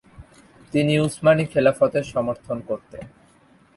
তিনি উসমানি খেলাফতের সমর্থন করতেন।